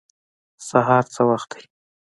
سهار څه وخت دی؟